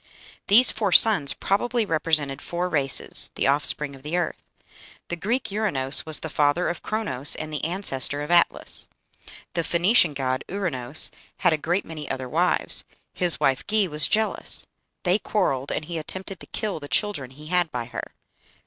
These four sons probably represented four races, the offspring of the earth. The Greek Uranos was the father of Chronos, and the ancestor of Atlas. The Phoenician god Ouranos had a great many other wives: his wife Ge was jealous; they quarrelled, and he attempted to kill the children he had by her.